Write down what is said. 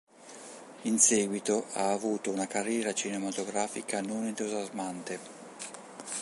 In seguito ha avuto una carriera cinematografica non entusiasmante.